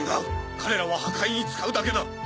彼らは破壊に使うだけだ！